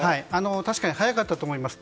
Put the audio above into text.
確かに早かったと思います。